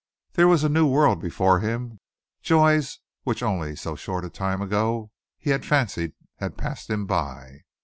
There was a new world before him, joys which only so short a time ago he had fancied had passed him by.